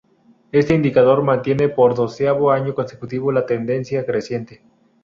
Este indicador mantiene por doceavo año consecutivo la tendencia creciente.